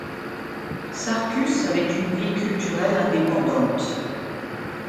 Sarcus avait une vie culturelle indépendante.